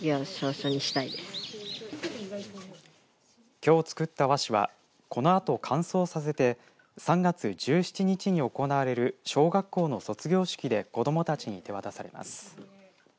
きょう、作った和紙はこのあと、乾燥させて３月１７日に行われる小学校の卒業式で子どもたちに手渡されます。